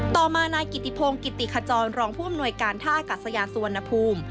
ต่อมานายกิติพงศ์กิติขจรรองผู้อำนวยการท่าอากาศยานสุวรรณภูมิ